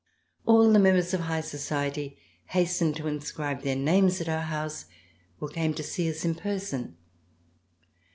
All the members of high society hastened to inscribe their names at our house or came to see us in person.